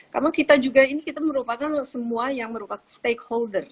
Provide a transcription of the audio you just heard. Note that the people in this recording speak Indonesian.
karena kita juga ini kita merupakan semua yang merupakan stakeholder